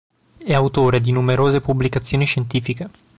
È autore di numerose pubblicazioni scientifiche